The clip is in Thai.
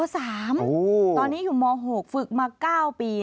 ตอนนี้อยู่ม๖ฝึกมา๙ปี